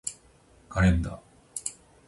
カレンダー